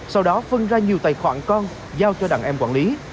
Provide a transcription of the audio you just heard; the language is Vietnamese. sau đó phân ra nhiều tài khoản con giao cho đặng em quản lý